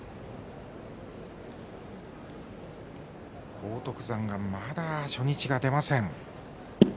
荒篤山がまだ初日が出ません。